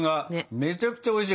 めちゃくちゃおいしい。